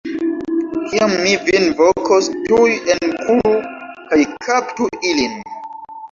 Kiam mi vin vokos, tuj enkuru kaj kaptu ilin.